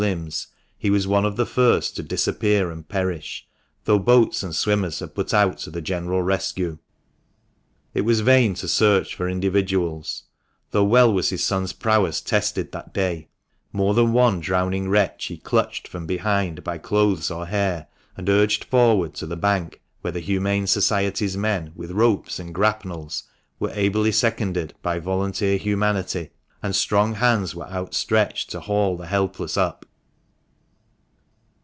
limbs, he was one of the first to disappear and perish, though boats and swimmers had put out to the general rescue. It was vain to search for individuals; though well was his son's prowess tested that day ; more than one drowning wretch he clutched from behind by clothes or hair, and urged forward to the bank, where the Humane Society's men, with ropes and grapnels, were ably seconded by volunteer humanity, and strong hands were outstretched to haul the helpless up.